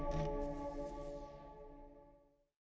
cảm ơn các bạn đã theo dõi và hẹn gặp lại